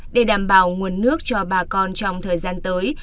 để đảm bảo nguồn nước cho bà con trong thời gian tới